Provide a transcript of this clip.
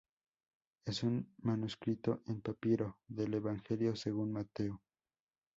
Es un manuscrito en papiro del Evangelio según Mateo.